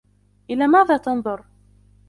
الى ماذا تنظر ؟